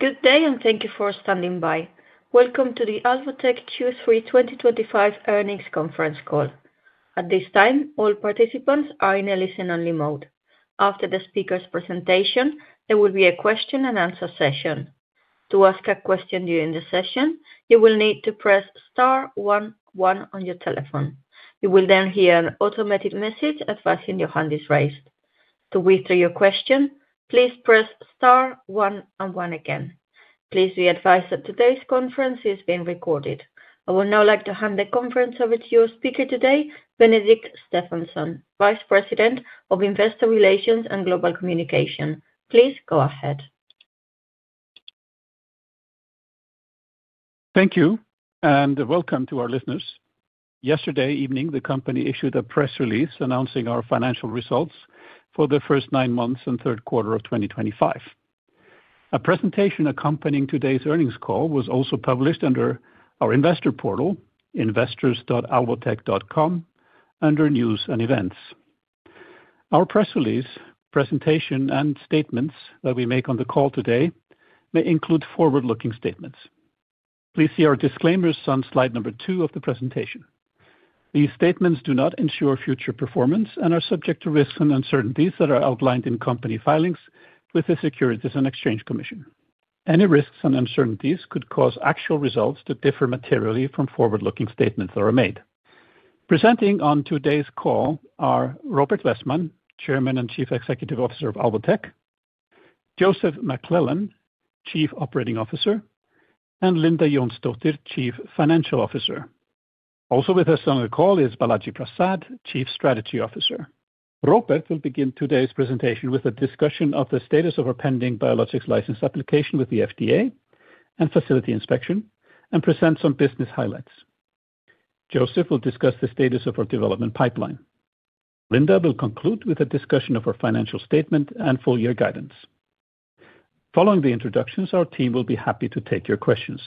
Good day, and thank you for standing by. Welcome to the Alvotech Q3 2025 earnings conference call. At this time, all participants are in a listen-only mode. After the speaker's presentation, there will be a question-and-answer session. To ask a question during the session, you will need to press star one one on your telephone. You will then hear an automated message advising your hand is raised. To withdraw your question, please press *11 again. Please be advised that today's conference is being recorded. I would now like to hand the conference over to your speaker today, Benedikt Stefansson, Vice President of Investor Relations and Global Communication. Please go ahead. Thank you, and welcome to our listeners. Yesterday evening, the company issued a press release announcing our financial results for the first nine months and third quarter of 2025. A presentation accompanying today's earnings call was also published under our investor portal, investors.alvotech.com, under News and Events. Our press release, presentation, and statements that we make on the call today may include forward-looking statements. Please see our disclaimers on slide number two of the presentation. These statements do not ensure future performance and are subject to risks and uncertainties that are outlined in company filings with the Securities and Exchange Commission. Any risks and uncertainties could cause actual results to differ materially from forward-looking statements that are made. Presenting on today's call are Róbert Wessman, Chairman and Chief Executive Officer of Alvotech; Joseph McClellan, Chief Operating Officer; and Linda Jónsdóttir, Chief Financial Officer. Also with us on the call is Balaji Prasad, Chief Strategy Officer. Róbert will begin today's presentation with a discussion of the status of our pending biologics license application with the FDA and facility inspection, and present some business highlights. Joseph will discuss the status of our development pipeline. Linda will conclude with a discussion of our financial statement and full-year guidance. Following the introductions, our team will be happy to take your questions.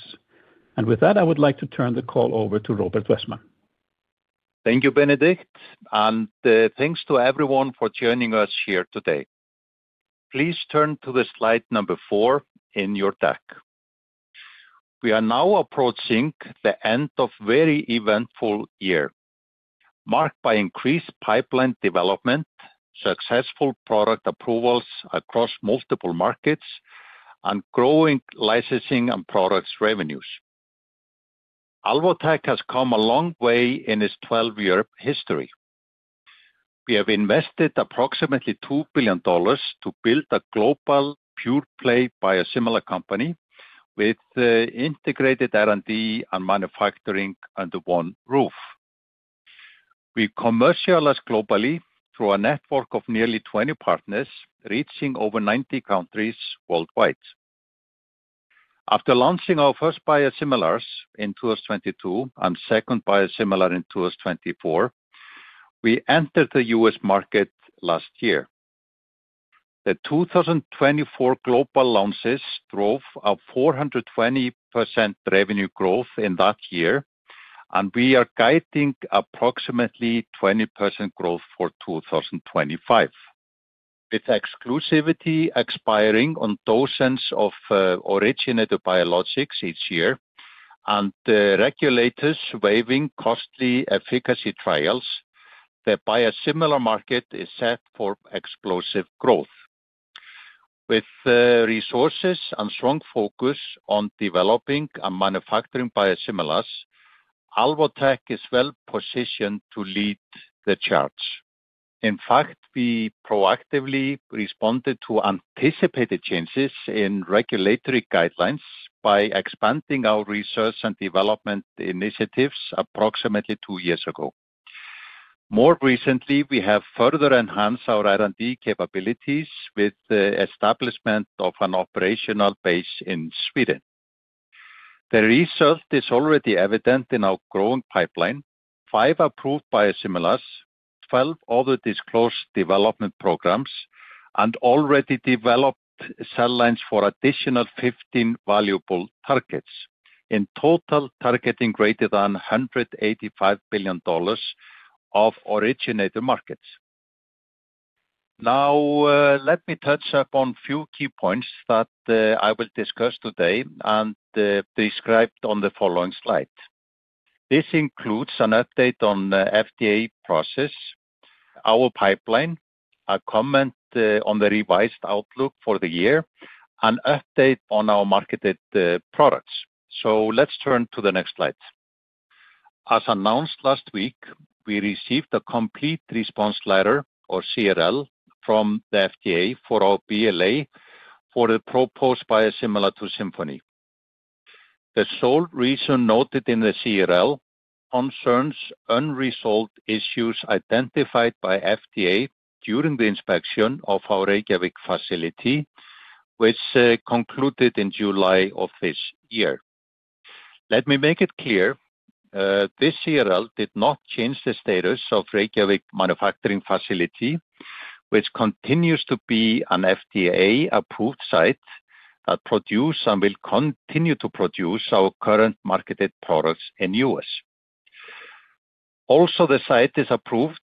With that, I would like to turn the call over to Róbert Wessman. Thank you, Benedikt, and thanks to everyone for joining us here today. Please turn to slide number four in your deck. We are now approaching the end of a very eventful year, marked by increased pipeline development, successful product approvals across multiple markets, and growing licensing and products revenues. Alvotech has come a long way in its 12-year history. We have invested approximately $2 billion to build a global pure-play biosimilar company with integrated R&D and manufacturing under one roof. We commercialize globally through a network of nearly 20 partners reaching over 90 countries worldwide. After launching our first biosimilars in 2022 and second biosimilar in 2024, we entered the U.S. market last year. The 2024 global launches drove a 420% revenue growth in that year, and we are guiding approximately 20% growth for 2025, with exclusivity expiring on dozens of originated biologics each year, and regulators waiving costly efficacy trials. The biosimilar market is set for explosive growth. With resources and strong focus on developing and manufacturing biosimilars, Alvotech is well positioned to lead the charge. In fact, we proactively responded to anticipated changes in regulatory guidelines by expanding our research and development initiatives approximately two years ago. More recently, we have further enhanced our R&D capabilities with the establishment of an operational base in Sweden. The result is already evident in our growing pipeline: five approved biosimilars, 12 other disclosed development programs, and already developed cell lines for additional 15 valuable targets, in total targeting greater than $185 billion of originated markets. Now, let me touch upon a few key points that I will discuss today and describe on the following slide. This includes an update on the FDA process, our pipeline, a comment on the revised outlook for the year, and an update on our marketed products. Let's turn to the next slide. As announced last week, we received a Complete Response Letter, or CRL, from the FDA for our BLA for the proposed biosimilar to Simponi. The sole reason noted in the CRL concerns unresolved issues identified by FDA during the inspection of our Reykjavik facility, which concluded in July of this year. Let me make it clear: this CRL did not change the status of the Reykjavik manufacturing facility, which continues to be an FDA-approved site that produced and will continue to produce our current marketed products in the US. Also, the site is approved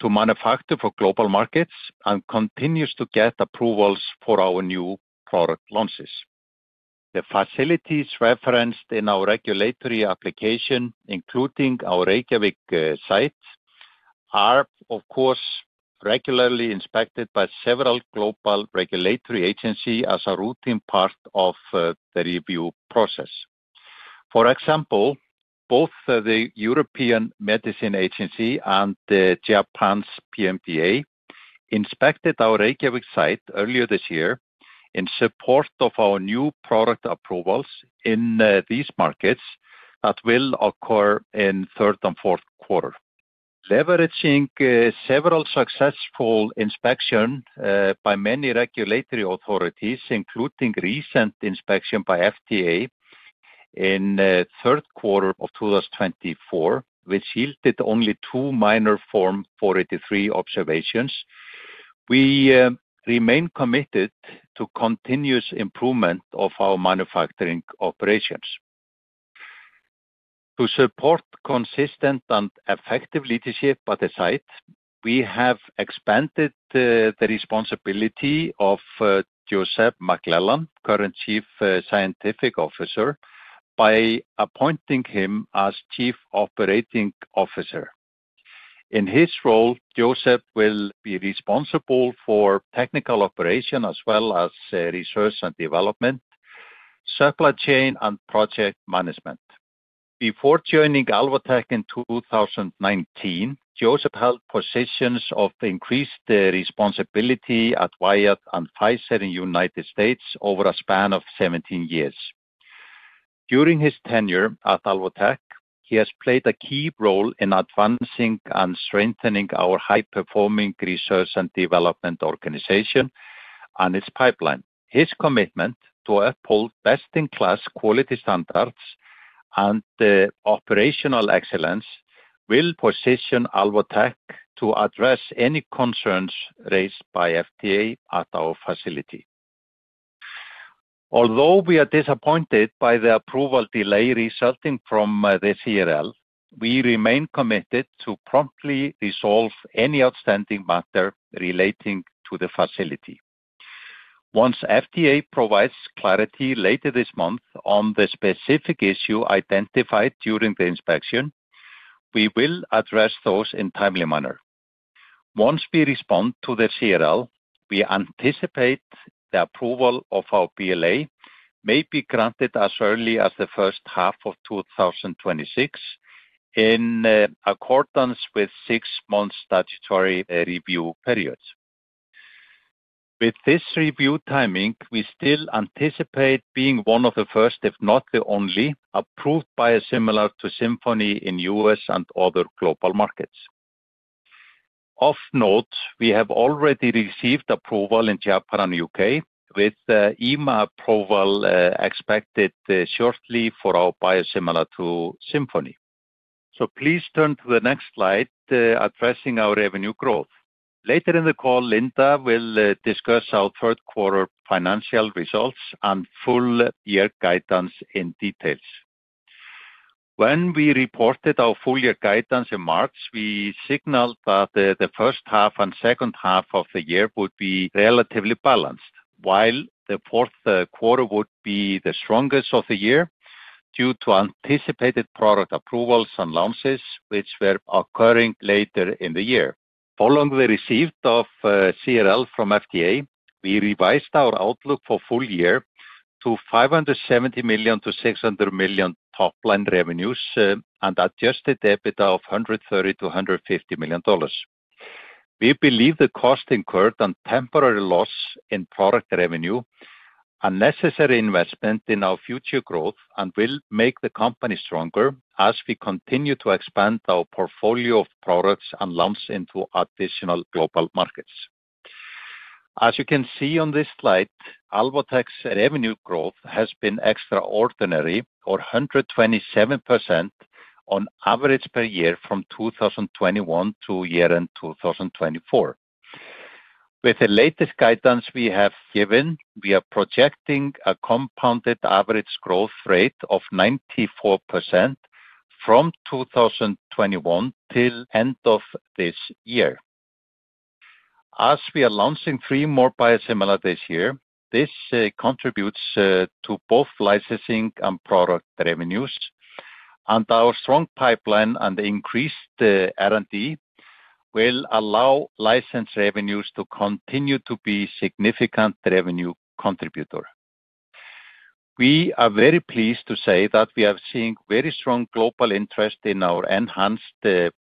to manufacture for global markets and continues to get approvals for our new product launches. The facilities referenced in our regulatory application, including our Reykjavik site, are, of course, regularly inspected by several global regulatory agencies as a routine part of the review process. For example, both the European Medicines Agency and Japan's PMDA inspected our Reykjavik site earlier this year in support of our new product approvals in these markets that will occur in the third and fourth quarter, leveraging several successful inspections by many regulatory authorities, including a recent inspection by FDA in the third quarter of 2024, which yielded only two minor Form 483 observations. We remain committed to continuous improvement of our manufacturing operations. To support consistent and effective leadership at the site, we have expanded the responsibility of Joseph McClellan, current Chief Scientific Officer, by appointing him as Chief Operating Officer. In his role, Joseph will be responsible for technical operation as well as research and development, supply chain, and project management. Before joining Alvotech in 2019, Joseph held positions of increased responsibility at Wyeth and Pfizer in the United States over a span of 17 years. During his tenure at Alvotech, he has played a key role in advancing and strengthening our high-performing research and development organization and its pipeline. His commitment to uphold best-in-class quality standards and operational excellence will position Alvotech to address any concerns raised by FDA at our facility. Although we are disappointed by the approval delay resulting from the CRL, we remain committed to promptly resolve any outstanding matter relating to the facility. Once FDA provides clarity later this month on the specific issue identified during the inspection, we will address those in a timely manner. Once we respond to the CRL, we anticipate the approval of our BLA may be granted as early as the first half of 2026, in accordance with six-month statutory review periods. With this review timing, we still anticipate being one of the first, if not the only, approved biosimilars to Simponi in the U.S. and other global markets. Of note, we have already received approval in Japan and the U.K., with EMA approval expected shortly for our biosimilar to Simponi. Please turn to the next slide addressing our revenue growth. Later in the call, Linda will discuss our third-quarter financial results and full-year guidance in detail. When we reported our full-year guidance in March, we signaled that the first half and second half of the year would be relatively balanced, while the fourth quarter would be the strongest of the year due to anticipated product approvals and launches which were occurring later in the year. Following the receipt of the CRL from FDA, we revised our outlook for the full year to $570 million-$600 million top-line revenues and adjusted EBITDA of $130 million-$150 million. We believe the cost incurred and temporary loss in product revenue are necessary investments in our future growth and will make the company stronger as we continue to expand our portfolio of products and launches into additional global markets. As you can see on this slide, Alvotech's revenue growth has been extraordinary, or 127% on average per year from 2021 to year-end 2024. With the latest guidance we have given, we are projecting a compounded average growth rate of 94% from 2021 till the end of this year. As we are launching three more biosimilars this year, this contributes to both licensing and product revenues, and our strong pipeline and increased R&D will allow license revenues to continue to be a significant revenue contributor. We are very pleased to say that we are seeing very strong global interest in our enhanced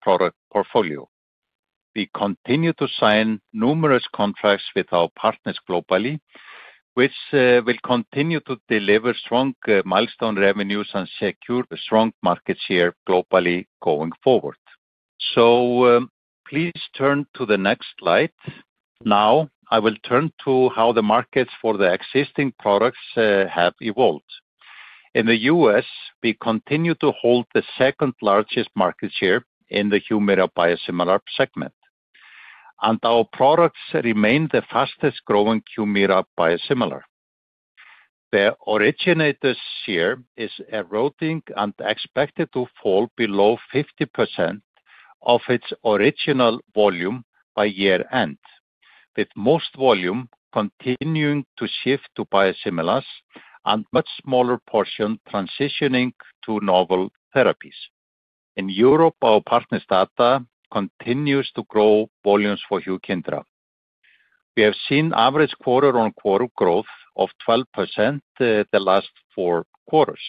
product portfolio. We continue to sign numerous contracts with our partners globally, which will continue to deliver strong milestone revenues and secure strong market share globally going forward. Please turn to the next slide. Now, I will turn to how the markets for the existing products have evolved. In the U.S., we continue to hold the second-largest market share in the Humira biosimilar segment, and our products remain the fastest-growing Humira biosimilar. The originated share is eroding and expected to fall below 50% of its original volume by year-end, with most volume continuing to shift to biosimilars and a much smaller portion transitioning to novel therapies. In Europe, our partner's data continues to grow volumes for Yukindra. We have seen average quarter-on-quarter growth of 12% the last four quarters.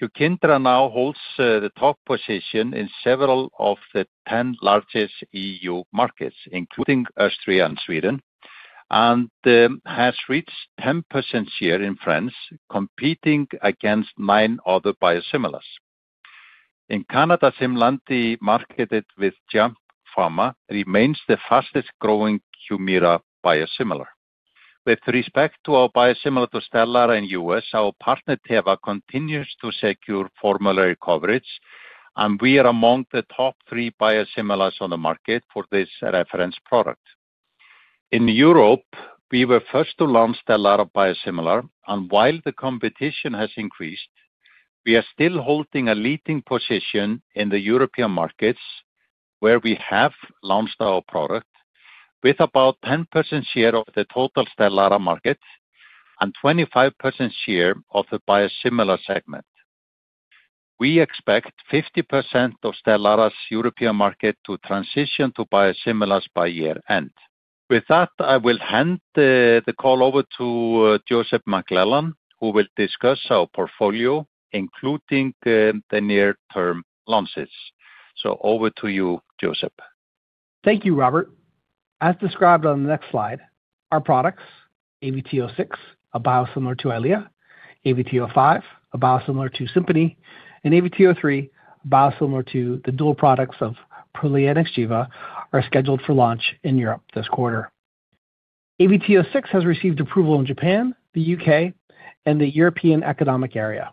Yukindra now holds the top position in several of the 10 largest EU markets, including Austria and Sweden, and has reached 10% share in France, competing against nine other biosimilars. In Canada, Symlandi, marketed with JAMP Pharma, remains the fastest-growing Humira biosimilar. With respect to our biosimilar to Stelara in the U.S., our partner, Teva, continues to secure formulary coverage, and we are among the top three biosimilars on the market for this reference product. In Europe, we were first to launch Stelara biosimilar, and while the competition has increased, we are still holding a leading position in the European markets where we have launched our product, with about 10% share of the total Stelara market and 25% share of the biosimilar segment. We expect 50% of Stelara's European market to transition to biosimilars by year-end. With that, I will hand the call over to Joseph McClellan, who will discuss our portfolio, including the near-term launches. Over to you, Joseph. Thank you, Róbert. As described on the next slide, our products, AVT06, a biosimilar to Eylea; AVT05, a biosimilar to Simponi; and AVT03, a biosimilar to the dual products of Prolia and Xgeva, are scheduled for launch in Europe this quarter. AVT06 has received approval in Japan, the U.K., and the European Economic Area.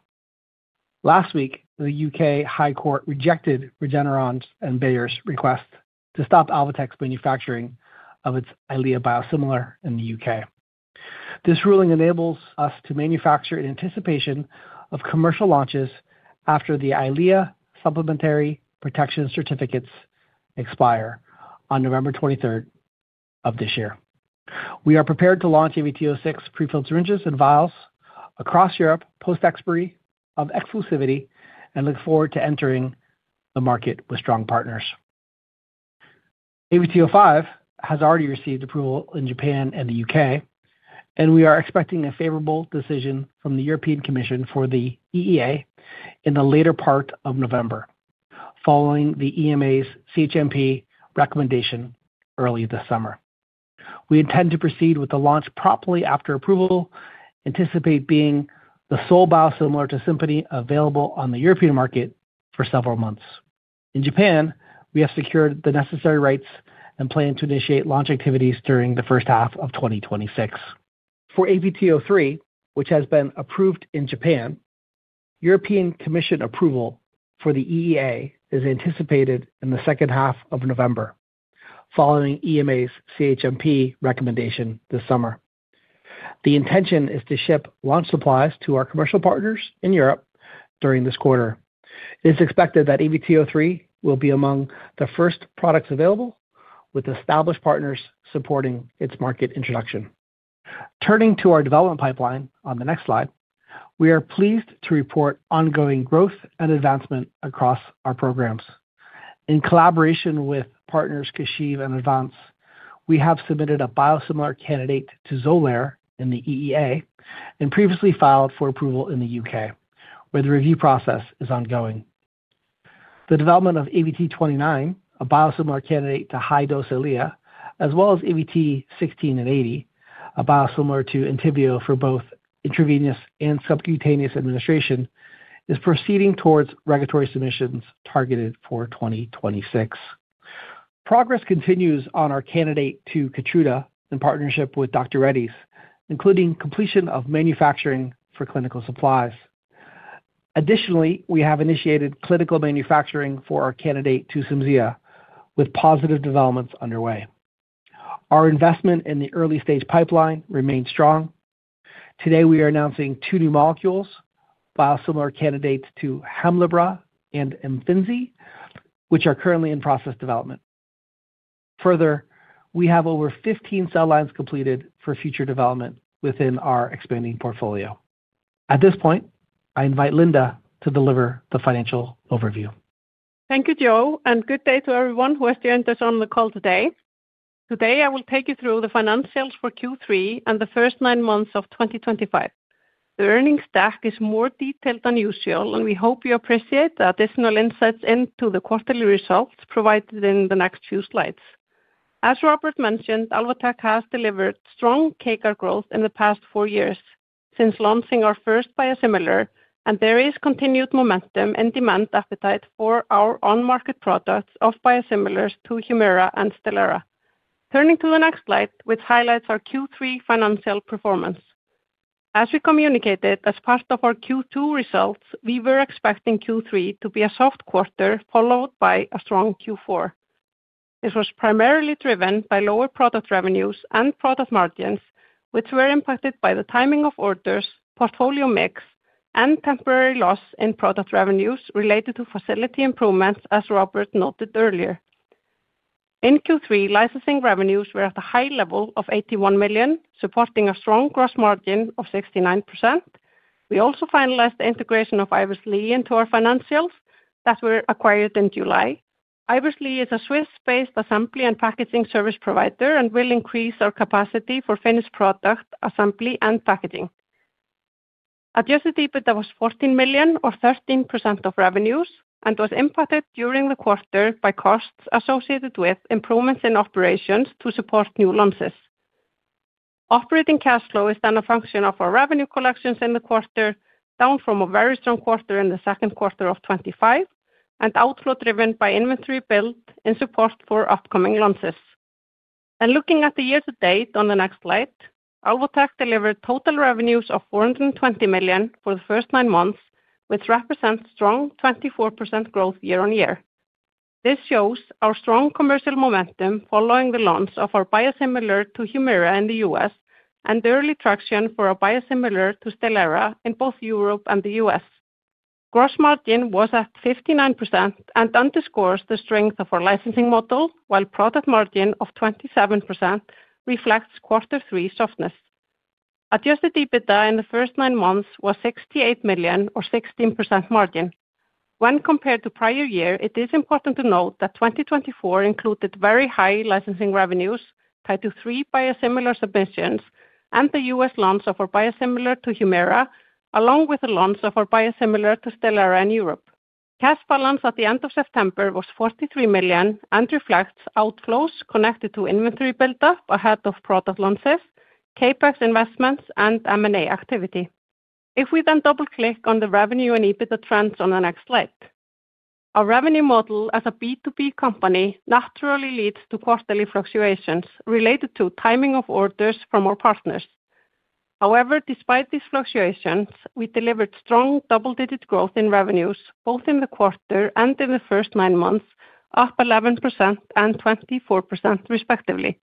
Last week, the U.K. High Court rejected Regeneron's and Bayer's request to stop Alvotech's manufacturing of its Eylea biosimilar in the U.K. This ruling enables us to manufacture in anticipation of commercial launches after the Eylea supplementary protection certificates expire on November 23rd of this year. We are prepared to launch AVT06 pre-filled syringes and vials across Europe post-expiry of exclusivity and look forward to entering the market with strong partners. AVT05 has already received approval in Japan and the U.K., and we are expecting a favorable decision from the European Commission for the European Economic Area in the later part of November, following the EMA's CHMP recommendation early this summer. We intend to proceed with the launch properly after approval, anticipating being the sole biosimilar to Simponi available on the European market for several months. In Japan, we have secured the necessary rights and plan to initiate launch activities during the first half of 2026. For AVT03, which has been approved in Japan, European Commission approval for the European Economic Area is anticipated in the second half of November, following EMA's CHMP recommendation this summer. The intention is to ship launch supplies to our commercial partners in Europe during this quarter. It is expected that AVT03 will be among the first products available, with established partners supporting its market introduction. Turning to our development pipeline on the next slide, we are pleased to report ongoing growth and advancement across our programs. In collaboration with partners Kishive and Advance, we have submitted a biosimilar candidate to Zolair in the European Economic Area and previously filed for approval in the U.K., where the review process is ongoing. The development of AVT29, a biosimilar candidate to high-dose Eylea, as well as AVT16 and AVT80, a biosimilar to Entyvio for both intravenous and subcutaneous administration, is proceeding towards regulatory submissions targeted for 2026. Progress continues on our candidate to Keytruda in partnership with Dr. Reddy's, including completion of manufacturing for clinical supplies. Additionally, we have initiated clinical manufacturing for our candidate to Cimzia, with positive developments underway. Our investment in the early-stage pipeline remains strong. Today, we are announcing two new molecules, biosimilar candidates to Hemlibra and Imfinzi, which are currently in process development. Further, we have over 15 cell lines completed for future development within our expanding portfolio. At this point, I invite Linda to deliver the financial overview. Thank you, Joel, and good day to everyone who has joined us on the call today. Today, I will take you through the financials for Q3 and the first nine months of 2025. The earnings stack is more detailed than usual, and we hope you appreciate the additional insights into the quarterly results provided in the next few slides. As Róbert mentioned, Alvotech has delivered strong KCAL growth in the past four years since launching our first biosimilar, and there is continued momentum and demand appetite for our on-market products of biosimilars to Humira and Stelara. Turning to the next slide, which highlights our Q3 financial performance. As we communicated, as part of our Q2 results, we were expecting Q3 to be a soft quarter followed by a strong Q4. This was primarily driven by lower product revenues and product margins, which were impacted by the timing of orders, portfolio mix, and temporary loss in product revenues related to facility improvements, as Róbert noted earlier. In Q3, licensing revenues were at a high level of $81 million, supporting a strong gross margin of 69%. We also finalized the integration of Ivers-Lee into our financials that were acquired in July. Ivers-Lee is a Swiss-based assembly and packaging service provider and will increase our capacity for finished product assembly and packaging. Adjusted EBITDA was $14 million, or 13% of revenues, and was impacted during the quarter by costs associated with improvements in operations to support new launches. Operating cash flow is then a function of our revenue collections in the quarter, down from a very strong quarter in the second quarter of 2025, and outflow driven by inventory built in support for upcoming launches. Looking at the year-to-date on the next slide, Alvotech delivered total revenues of $420 million for the first nine months, which represents strong 24% growth year-on-year. This shows our strong commercial momentum following the launch of our biosimilar to Humira in the U.S. and early traction for our biosimilar to Stelara in both Europe and the U.S. Gross margin was at 59% and underscores the strength of our licensing model, while product margin of 27% reflects Q3 softness. Adjusted EBITDA in the first nine months was $68 million, or 16% margin. When compared to prior year, it is important to note that 2024 included very high licensing revenues tied to three biosimilar submissions and the U.S. launch of our biosimilar to Humira, along with the launch of our biosimilar to Stelara in Europe. Cash balance at the end of September was $43 million and reflects outflows connected to inventory build-up ahead of product launches, CAPEX investments, and M&A activity. If we then double-click on the revenue and EBITDA trends on the next slide, our revenue model as a B2B company naturally leads to quarterly fluctuations related to timing of orders from our partners. However, despite these fluctuations, we delivered strong double-digit growth in revenues, both in the quarter and in the first nine months, up 11% and 24% respectively,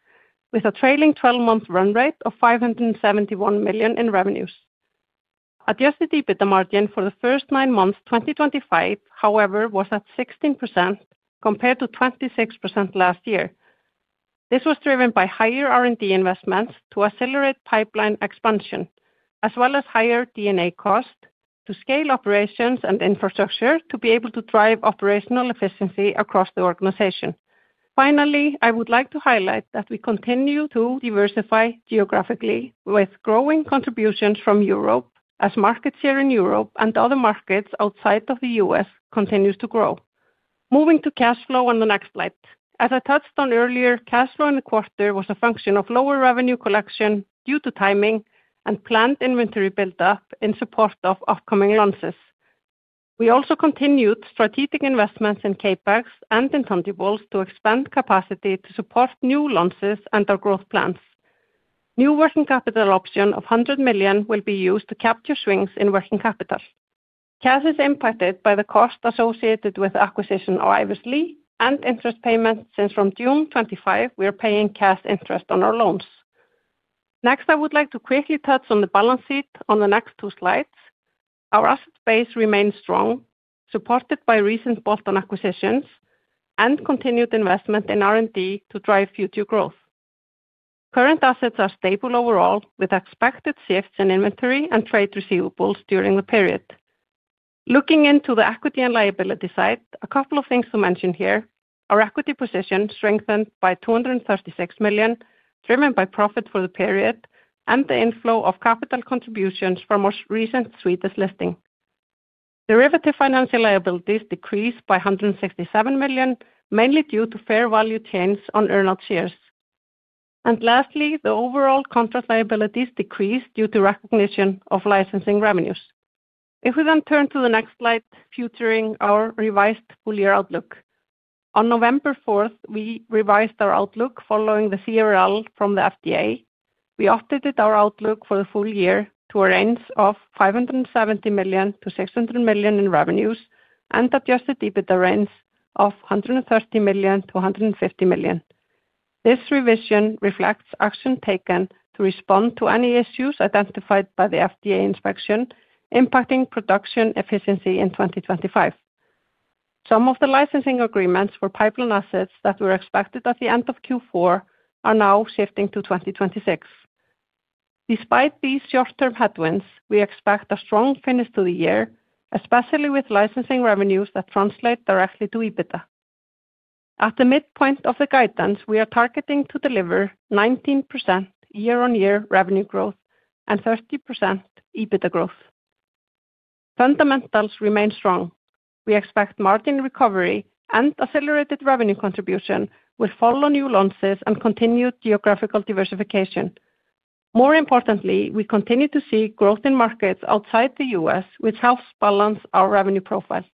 with a trailing 12-month run rate of $571 million in revenues. Adjusted EBITDA margin for the first nine months 2025, however, was at 16% compared to 26% last year. This was driven by higher R&D investments to accelerate pipeline expansion, as well as higher DNA cost to scale operations and infrastructure to be able to drive operational efficiency across the organization. Finally, I would like to highlight that we continue to diversify geographically, with growing contributions from Europe as market share in Europe and other markets outside of the U.S. continues to grow. Moving to cash flow on the next slide. As I touched on earlier, cash flow in the quarter was a function of lower revenue collection due to timing and planned inventory build-up in support of upcoming launches. We also continued strategic investments in CAPEX and in fundables to expand capacity to support new launches and our growth plans. New working capital option of $100 million will be used to capture swings in working capital. Cash is impacted by the cost associated with acquisition of Ivers-Lee and interest payments since from June 2025, we are paying cash interest on our loans. Next, I would like to quickly touch on the balance sheet on the next two slides. Our asset base remains strong, supported by recent bolt-on acquisitions and continued investment in R&D to drive future growth. Current assets are stable overall, with expected shifts in inventory and trade receivables during the period. Looking into the equity and liability side, a couple of things to mention here: our equity position strengthened by $236 million, driven by profit for the period and the inflow of capital contributions from our most recent Swedish listing. Derivative financial liabilities decreased by $167 million, mainly due to fair value change on earn-out shares. Lastly, the overall contract liabilities decreased due to recognition of licensing revenues. If we then turn to the next slide featuring our revised full-year outlook. On November 4, we revised our outlook following the CRL from the FDA. We updated our outlook for the full year to a range of $570 million-$600 million in revenues and adjusted EBITDA range of $130 million-$150 million. This revision reflects action taken to respond to any issues identified by the FDA inspection impacting production efficiency in 2025. Some of the licensing agreements for pipeline assets that were expected at the end of Q4 are now shifting to 2026. Despite these short-term headwinds, we expect a strong finish to the year, especially with licensing revenues that translate directly to EBITDA. At the midpoint of the guidance, we are targeting to deliver 19% year-on-year revenue growth and 30% EBITDA growth. Fundamentals remain strong. We expect margin recovery and accelerated revenue contribution will follow new launches and continued geographical diversification. More importantly, we continue to see growth in markets outside the U.S., which helps balance our revenue profile.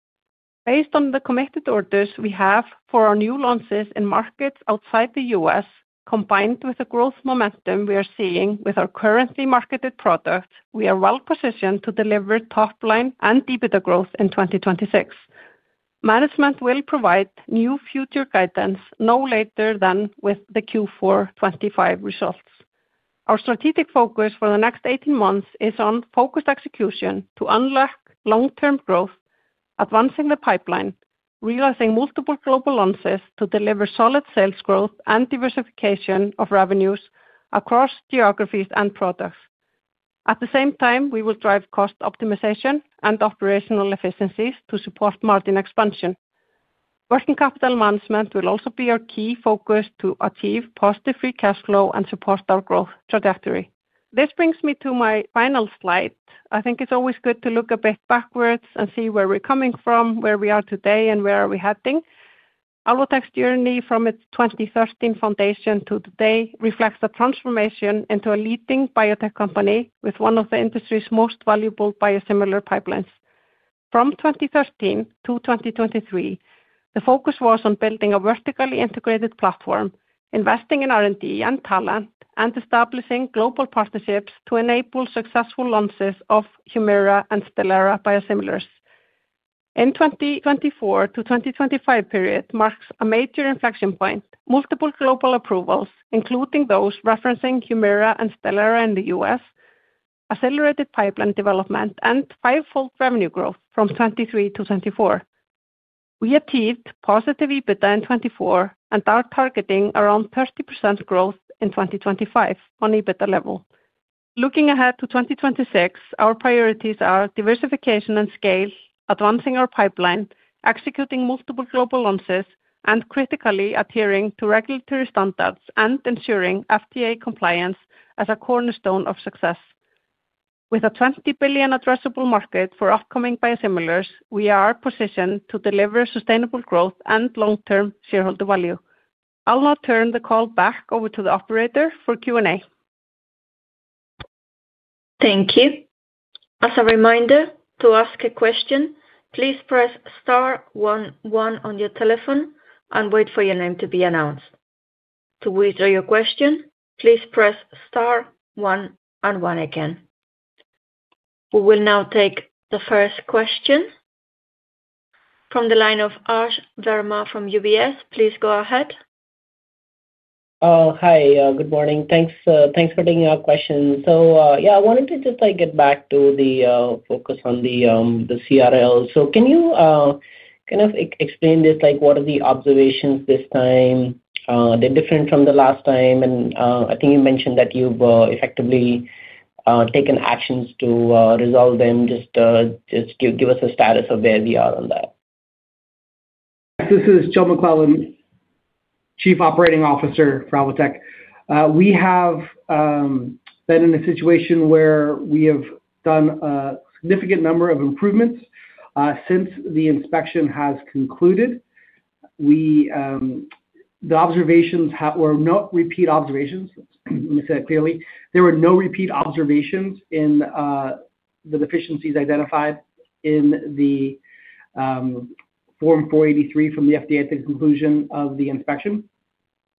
Based on the committed orders we have for our new launches in markets outside the U.S., combined with the growth momentum we are seeing with our currently marketed products, we are well-positioned to deliver top-line and EBITDA growth in 2026. Management will provide new future guidance no later than with the Q4 2025 results. Our strategic focus for the next 18 months is on focused execution to unlock long-term growth, advancing the pipeline, realizing multiple global launches to deliver solid sales growth and diversification of revenues across geographies and products. At the same time, we will drive cost optimization and operational efficiencies to support margin expansion. Working capital management will also be our key focus to achieve positive free cash flow and support our growth trajectory. This brings me to my final slide. I think it's always good to look a bit backwards and see where we're coming from, where we are today, and where are we heading. Alvotech's journey from its 2013 foundation to today reflects a transformation into a leading biotech company with one of the industry's most valuable biosimilar pipelines. From 2013 to 2023, the focus was on building a vertically integrated platform, investing in R&D and talent, and establishing global partnerships to enable successful launches of Humira and Stelara biosimilars. In the 2024 to 2025 period marks a major inflection point: multiple global approvals, including those referencing Humira and Stelara in the U.S., accelerated pipeline development, and fivefold revenue growth from 2023 to 2024. We achieved positive EBITDA in 2024 and are targeting around 30% growth in 2025 on EBITDA level. Looking ahead to 2026, our priorities are diversification and scale, advancing our pipeline, executing multiple global launches, and critically adhering to regulatory standards and ensuring FDA compliance as a cornerstone of success. With a $20 billion addressable market for upcoming biosimilars, we are positioned to deliver sustainable growth and long-term shareholder value. I'll now turn the call back over to the operator for Q&A. Thank you. As a reminder, to ask a question, please press star one one on your telephone and wait for your name to be announced. To withdraw your question, please press star one one again. We will now take the first question from the line of Ash Verma from UBS. Please go ahead. Hi, good morning. Thanks for taking our question. Yeah, I wanted to just get back to the focus on the CRL. Can you kind of explain this, what are the observations this time? They're different from the last time. I think you mentioned that you've effectively taken actions to resolve them. Just give us a status of where we are on that. This is Joseph McClellan, Chief Operating Officer for Alvotech. We have been in a situation where we have done a significant number of improvements since the inspection has concluded. The observations were not repeat observations. Let me say that clearly. There were no repeat observations in the deficiencies identified in the Form 483 from the FDA at the conclusion of the inspection.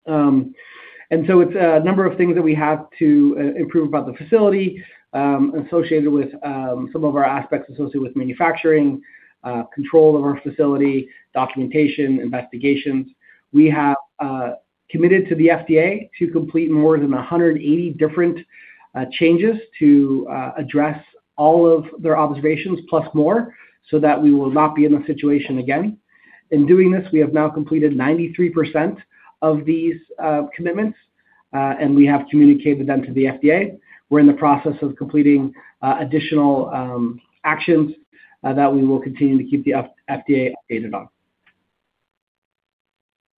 It's a number of things that we have to improve about the facility associated with some of our aspects associated with manufacturing, control of our facility, documentation, investigations. We have committed to the FDA to complete more than 180 different changes to address all of their observations, plus more, so that we will not be in the situation again. In doing this, we have now completed 93% of these commitments, and we have communicated them to the FDA. We're in the process of completing additional actions that we will continue to keep the FDA updated on.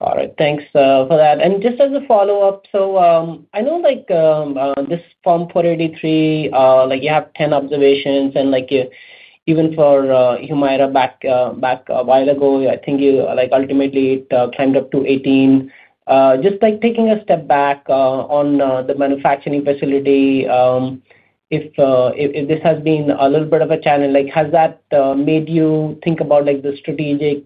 All right. Thanks for that. Just as a follow-up, I know this Form 483, you have 10 observations, and even for Humira back a while ago, I think ultimately it climbed up to 18. Just taking a step back on the manufacturing facility, if this has been a little bit of a challenge, has that made you think about the strategic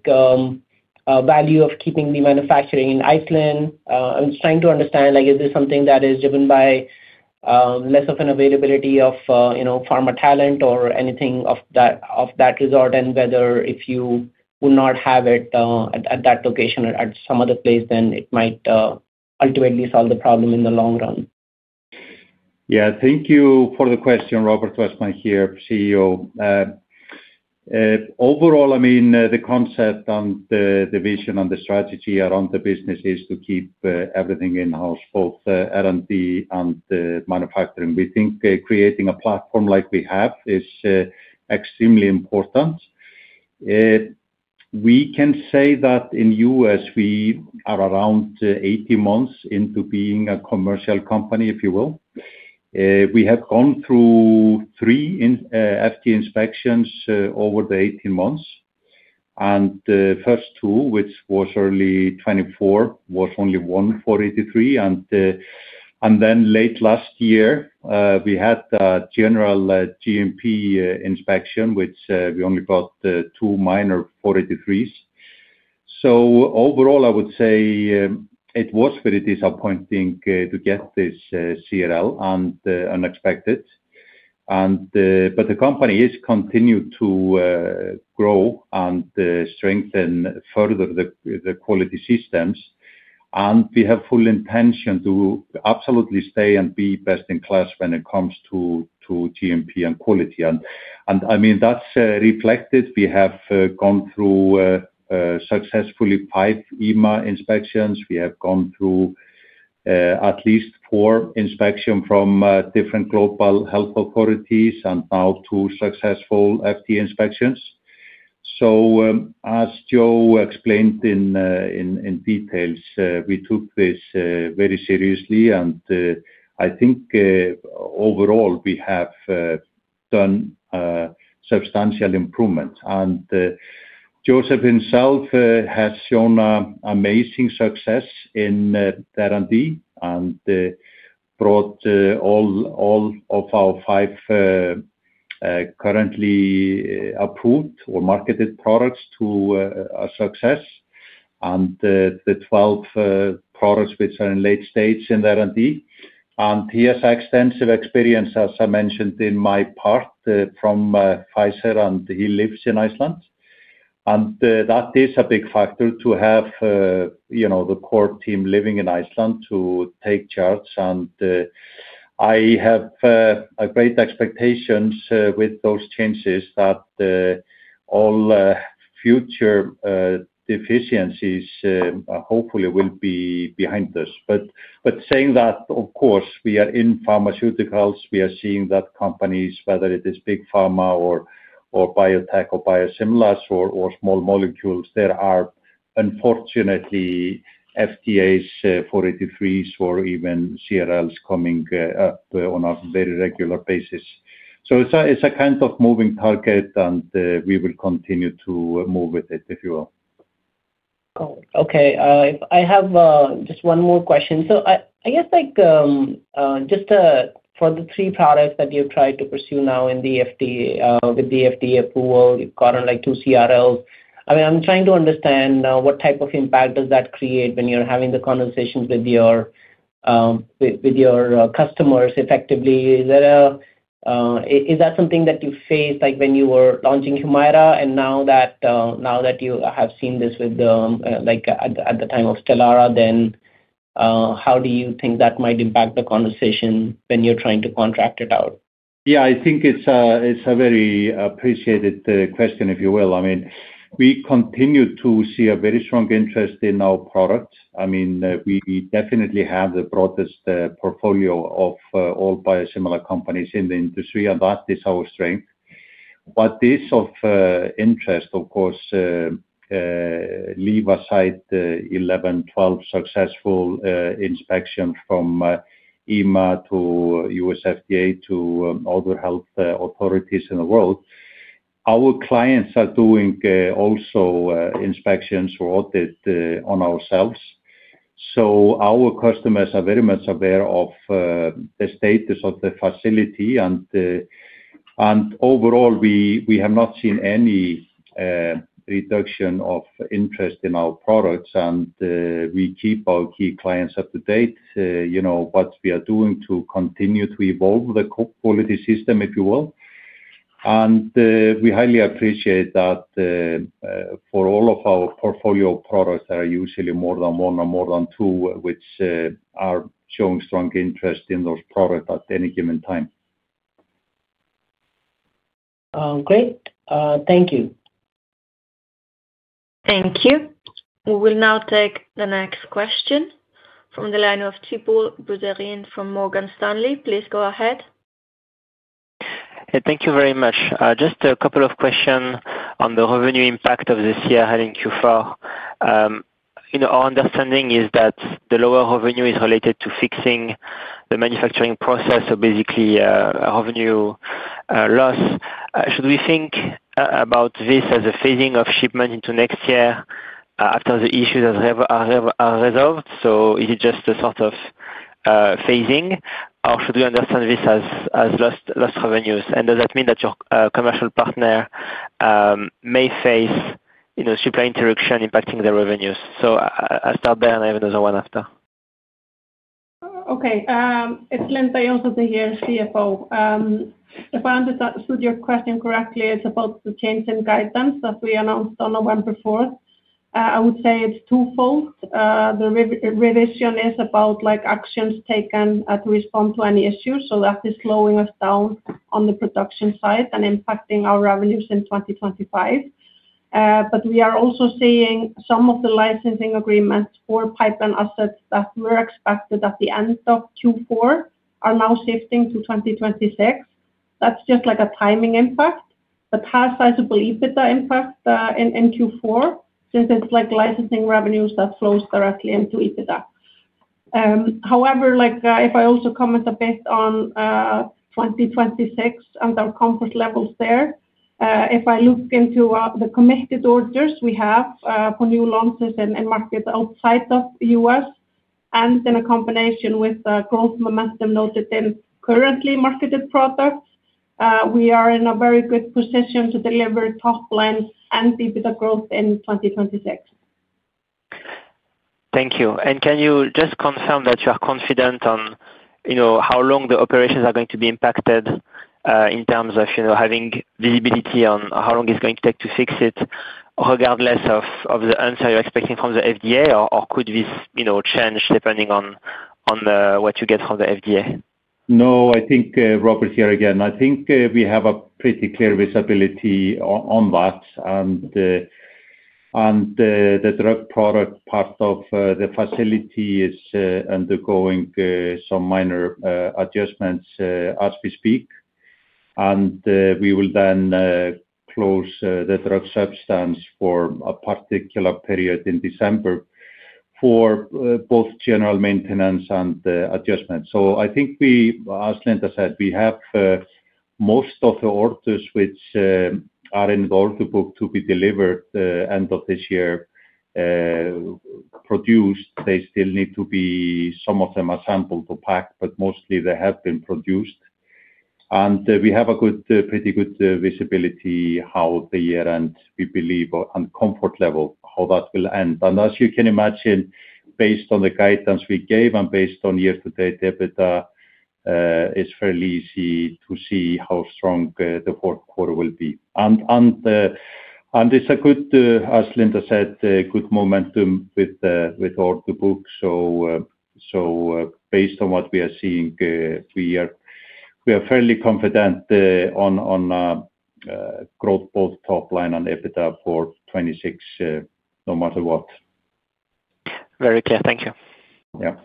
value of keeping the manufacturing in Iceland? I'm just trying to understand, is this something that is driven by less of an availability of pharma talent or anything of that resort, and whether if you would not have it at that location or at some other place, then it might ultimately solve the problem in the long run? Yeah. Thank you for the question, Róbert Wessman here, CEO. Overall, I mean, the concept and the vision and the strategy around the business is to keep everything in-house, both R&D and manufacturing. We think creating a platform like we have is extremely important. We can say that in the U.S., we are around 18 months into being a commercial company, if you will. We have gone through three FDA inspections over the 18 months. The first two, which was early 2024, was only one 483. Late last year, we had a general GMP inspection, which we only got two minor 483s. Overall, I would say it was very disappointing to get this CRL and unexpected. The company has continued to grow and strengthen further the quality systems. We have full intention to absolutely stay and be best in class when it comes to GMP and quality. I mean, that's reflected. We have gone through successfully five EMA inspections. We have gone through at least four inspections from different global health authorities and now two successful FDA inspections. As Joe explained in details, we took this very seriously. I think overall, we have done substantial improvements. Joseph himself has shown amazing success in R&D and brought all of our five currently approved or marketed products to a success, and the 12 products which are in late stage in R&D. He has extensive experience, as I mentioned in my part, from Pfizer, and he lives in Iceland. That is a big factor to have the core team living in Iceland to take charge. I have great expectations with those changes that all future deficiencies hopefully will be behind us. Of course, we are in pharmaceuticals. We are seeing that companies, whether it is big pharma or biotech or biosimilars or small molecules, there are unfortunately FDA's 483s or even CRLs coming up on a very regular basis. It is a kind of moving target, and we will continue to move with it, if you will. Cool. Okay. I have just one more question. I guess just for the three products that you've tried to pursue now with the FDA approval, you've gotten two CRLs. I mean, I'm trying to understand what type of impact does that create when you're having the conversations with your customers effectively? Is that something that you faced when you were launching Humira, and now that you have seen this at the time of Stelara, then how do you think that might impact the conversation when you're trying to contract it out? Yeah. I think it's a very appreciated question, if you will. I mean, we continue to see a very strong interest in our products. I mean, we definitely have the broadest portfolio of all biosimilar companies in the industry, and that is our strength. This of interest, of course, leave aside 11, 12 successful inspections from EMA to US FDA to other health authorities in the world. Our clients are doing also inspections or audits on ourselves. Our customers are very much aware of the status of the facility. Overall, we have not seen any reduction of interest in our products. We keep our key clients up to date on what we are doing to continue to evolve the quality system, if you will. We highly appreciate that for all of our portfolio products that are usually more than one or more than two, which are showing strong interest in those products at any given time. Great. Thank you. Thank you. We will now take the next question from the line of Thibault Boutherin from Morgan Stanley. Please go ahead. Thank you very much. Just a couple of questions on the revenue impact of this year, having Q4. Our understanding is that the lower revenue is related to fixing the manufacturing process, so basically revenue loss. Should we think about this as a phasing of shipment into next year after the issues are resolved? Is it just a sort of phasing, or should we understand this as lost revenues? Does that mean that your commercial partner may face supply interruption impacting their revenues? I'll start there, and I have another one after. Okay. It's Linda Jónsdóttir, your CFO. If I understood your question correctly, it's about the changes in guidance that we announced on November 4th. I would say it's twofold. The revision is about actions taken to respond to any issues, so that is slowing us down on the production side and impacting our revenues in 2025. We are also seeing some of the licensing agreements for pipeline assets that were expected at the end of Q4 are now shifting to 2026. That's just a timing impact, but has sizable EBITDA impact in Q4 since it's licensing revenues that flows directly into EBITDA. However, if I also comment a bit on 2026 and our compass levels there, if I look into the committed orders we have for new launches and markets outside of the U.S., and in a combination with the growth momentum noted in currently marketed products, we are in a very good position to deliver top-line and EBITDA growth in 2026. Thank you. Can you just confirm that you are confident on how long the operations are going to be impacted in terms of having visibility on how long it is going to take to fix it, regardless of the answer you are expecting from the FDA, or could this change depending on what you get from the FDA? No, I think Róbert is here again. I think we have pretty clear visibility on that. The drug product part of the facility is undergoing some minor adjustments as we speak. We will then close the drug substance for a particular period in December for both general maintenance and adjustments. I think, as Linda said, we have most of the orders which are in the order book to be delivered end of this year produced. They still need to be, some of them, assembled or packed, but mostly they have been produced. We have pretty good visibility how the year end, we believe, and comfort level how that will end. As you can imagine, based on the guidance we gave and based on year-to-date EBITDA, it is fairly easy to see how strong the fourth quarter will be. It is a good, as Linda said, good momentum with the order book. Based on what we are seeing, we are fairly confident on growth both top-line and EBITDA for 2026, no matter what. Very clear. Thank you. Yeah.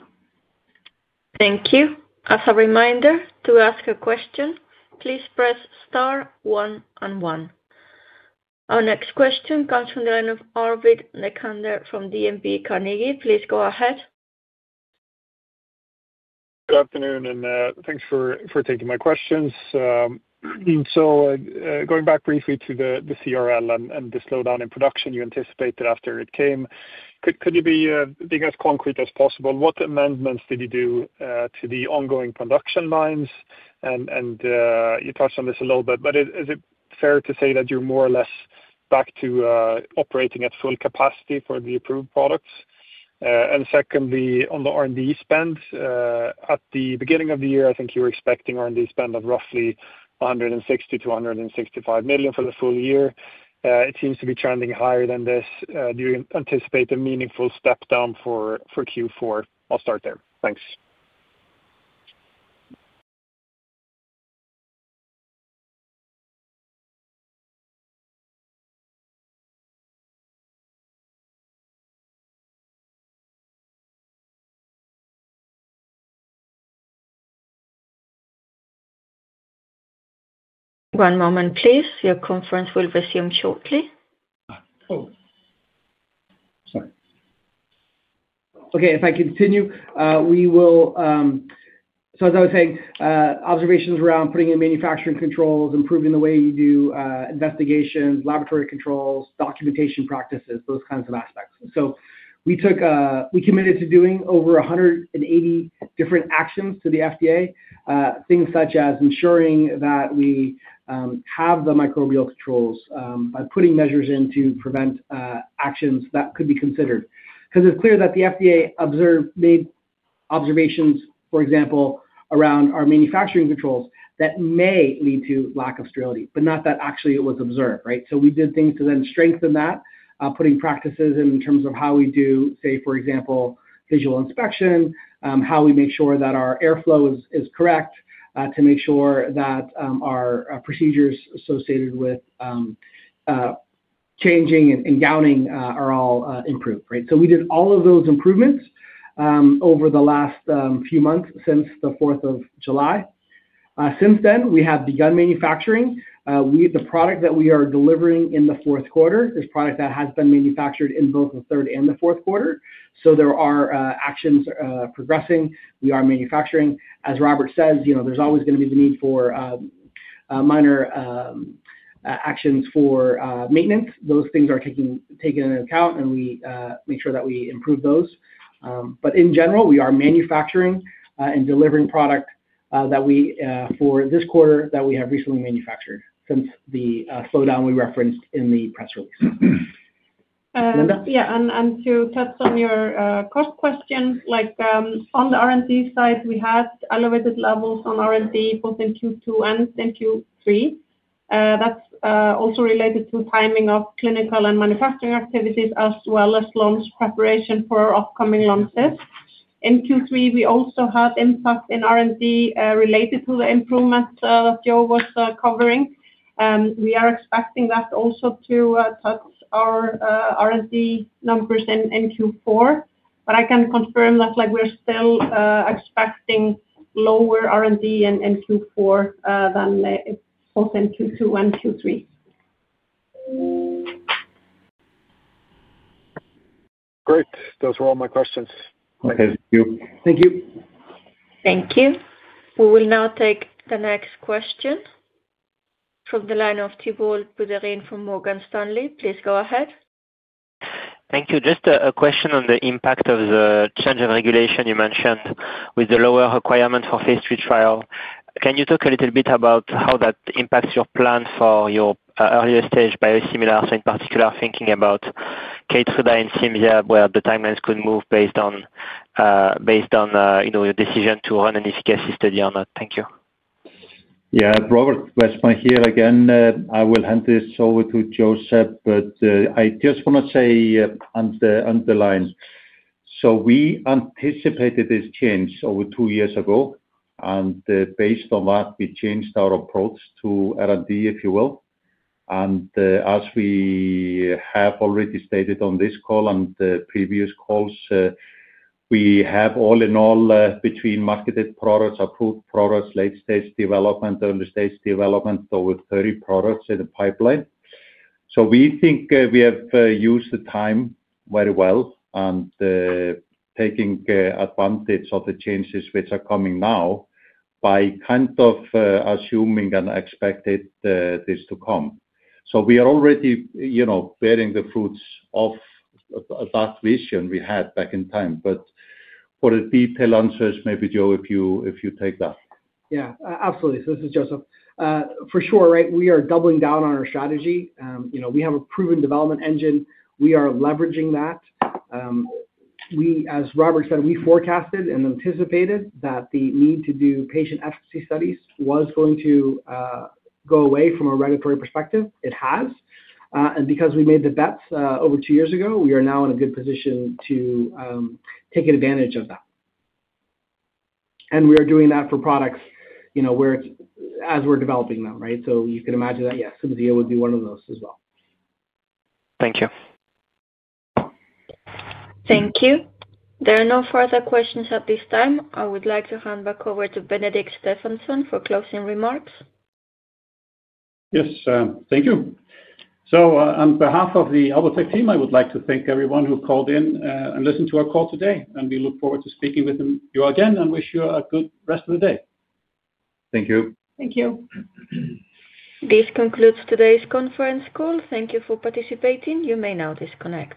Thank you. As a reminder to ask a question, please press star one and one. Our next question comes from the line of Arvid Necander from DNB Carnegie. Please go ahead. Good afternoon, and thanks for taking my questions. Going back briefly to the CRL and the slowdown in production, you anticipated after it came. Could you be as concrete as possible? What amendments did you do to the ongoing production lines? You touched on this a little bit, but is it fair to say that you're more or less back to operating at full capacity for the approved products? Secondly, on the R&D spend, at the beginning of the year, I think you were expecting R&D spend of roughly $160 million-$165 million for the full year. It seems to be trending higher than this. Do you anticipate a meaningful step down for Q4? I'll start there. Thanks. One moment, please. Your conference will resume shortly. Sorry. Okay. If I continue, as I was saying, observations around putting in manufacturing controls, improving the way you do investigations, laboratory controls, documentation practices, those kinds of aspects. We committed to doing over 180 different actions to the FDA, things such as ensuring that we have the microbial controls by putting measures in to prevent actions that could be considered. Because it is clear that the FDA made observations, for example, around our manufacturing controls that may lead to lack of sterility, but not that actually it was observed, right? We did things to then strengthen that, putting practices in terms of how we do, say, for example, visual inspection, how we make sure that our airflow is correct, to make sure that our procedures associated with changing and gowning are all improved, right? We did all of those improvements over the last few months since the 4th of July. Since then, we have begun manufacturing. The product that we are delivering in the fourth quarter is product that has been manufactured in both the third and the fourth quarter. There are actions progressing. We are manufacturing. As Róbert says, there is always going to be the need for minor actions for maintenance. Those things are taken into account, and we make sure that we improve those. In general, we are manufacturing and delivering product for this quarter that we have recently manufactured since the slowdown we referenced in the press release. Linda? Yeah. To touch on your cost question, on the R&D side, we had elevated levels on R&D both in Q2 and in Q3. That is also related to timing of clinical and manufacturing activities as well as launch preparation for upcoming launches. In Q3, we also had impact in R&D related to the improvements that Joe was covering. We are expecting that also to touch our R&D numbers in Q4. But I can confirm that we're still expecting lower R&D in Q4 than both in Q2 and Q3. Great. Those were all my questions. Okay. Thank you. Thank you. Thank you. We will now take the next question from the line of Thibault Boutherin from Morgan Stanley. Please go ahead. Thank you. Just a question on the impact of the change of regulation you mentioned with the lower requirement for phase three trial. Can you talk a little bit about how that impacts your plan for your earlier stage biosimilars? In particular, thinking about K3DA and CMDR, where the timelines could move based on your decision to run an efficacy study or not. Thank you. Yeah. Róbert Wessman here again. I will hand this over to Joseph, but I just want to say on the lines. We anticipated this change over two years ago. Based on that, we changed our approach to R&D, if you will. As we have already stated on this call and previous calls, we have all in all between marketed products, approved products, late-stage development, early-stage development, over 30 products in the pipeline. We think we have used the time very well and taken advantage of the changes which are coming now by kind of assuming and expecting this to come. We are already bearing the fruits of that vision we had back in time. For the detailed answers, maybe Joe, if you take that. Yeah. Absolutely. This is Joseph. For sure, right? We are doubling down on our strategy. We have a proven development engine. We are leveraging that. As Róbert said, we forecasted and anticipated that the need to do patient efficacy studies was going to go away from a regulatory perspective. It has. Because we made the bets over two years ago, we are now in a good position to take advantage of that. We are doing that for products as we're developing them, right? You can imagine that, yeah, Cimzia would be one of those as well. Thank you. Thank you. There are no further questions at this time. I would like to hand back over to Benedikt Stefansson for closing remarks. Yes. Thank you. On behalf of the Alvotech team, I would like to thank everyone who called in and listened to our call today. We look forward to speaking with you again and wish you a good rest of the day. Thank you. Thank you. This concludes today's conference call. Thank you for participating. You may now disconnect.